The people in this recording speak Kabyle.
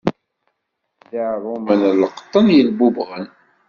D iɛerrumen n leqṭen yelbubɣen.